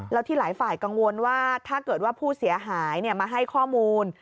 แล้วที่หลายฝ่ายกังวลว่าถ้าเกิดว่าผู้เสียหายมาให้ข้อมูล